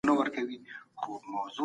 په بریتانیا کې نسخه ته اړتیا ده.